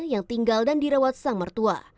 yang tinggal dan dirawat sang mertua